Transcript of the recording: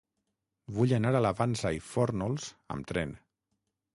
Vull anar a la Vansa i Fórnols amb tren.